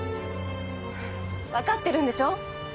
わかってるんでしょ！？